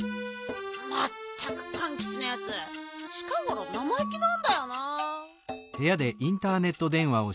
まったくパンキチのやつちかごろなまいきなんだよな。